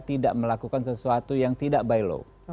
tidak melakukan sesuatu yang tidak by law